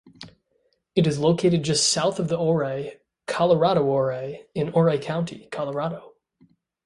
It is located just south of Ouray, ColoradoOuray, in Ouray County, Colorado.